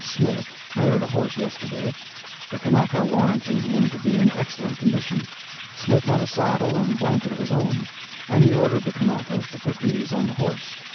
Smith, hired a horse yesterday, the Kanaka warranting him to be in excellent condition. Smith had a saddle and blanket of his own, and he ordered the Kanaka to put these on the horse.